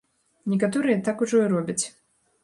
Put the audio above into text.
Некаторыя так ужо і робяць.